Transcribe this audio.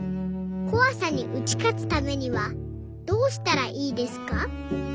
こわさに打ち勝つためにはどうしたらいいですか？」。